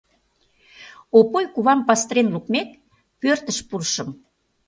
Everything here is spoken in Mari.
Опой кувам пастырен лукмек, пӧртыш пурышым.